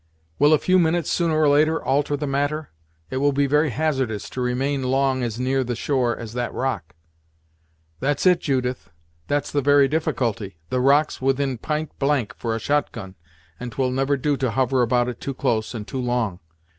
"Will a few minutes, sooner or later, alter the matter? It will be very hazardous to remain long as near the shore as that rock!" "That's it, Judith; that's the very difficulty! The rock's within p'int blank for a shot gun, and 'twill never do to hover about it too close and too long.